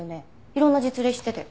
いろんな実例知ってて。